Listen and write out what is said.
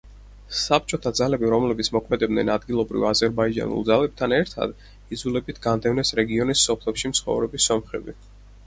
საბჭოთა ძალები, რომლებიც მოქმედებდნენ ადგილობრივ აზერბაიჯანულ ძალებთან ერთად, იძულებით განდევნეს რეგიონის სოფლებში მცხოვრები სომხები.